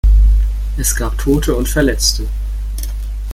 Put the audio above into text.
Es gab Tote und Verletzte.